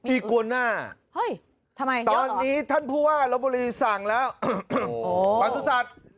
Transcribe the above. อีกวาน่าตอนนี้ท่านผู้ว่าลบบุรีสั่งแล้วประสุทธิ์